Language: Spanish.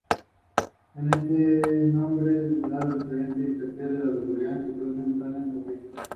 Está ubicado en el edificio del antiguo convento de San Agustín.